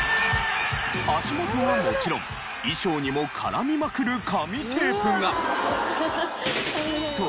足元はもちろん衣装にも絡みまくる紙テープが。